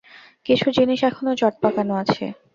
কিছু জিনিস এখনো জট পাকানো আছে।